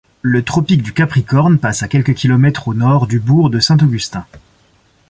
Le tropique du Capricorne passe à quelques kilomètres au nord du bourg de Saint-Augustin.